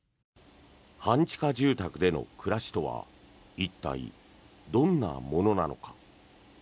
半地下住宅での暮らしとは一体どんなものなのか。